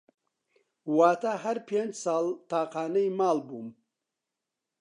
واتا هەر پێنج ساڵ تاقانەی ماڵ بووم